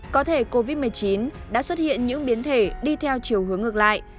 có thể covid một mươi chín đã xuất hiện những biến thể đi theo chiều hướng ngược lại